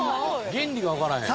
原理がわからへん。